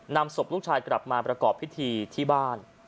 นำศพลูกชายกลับมาประกอบพิธีที่บ้าน